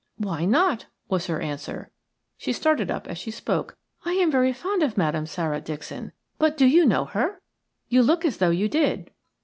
"Why not?" was her answer. She started up as she spoke, "I am very fond of Madame Sara, Dixon. But do you know her? You look as though you did."